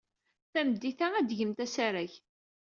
Tameddit-a, ad d-tgemt asarag.